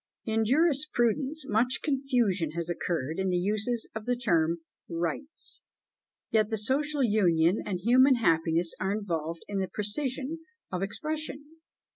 In jurisprudence much confusion has occurred in the uses of the term rights; yet the social union and human happiness are involved in the precision of the expression.